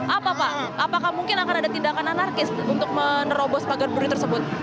apa pak apakah mungkin akan ada tindakan anarkis untuk menerobos pagar budi tersebut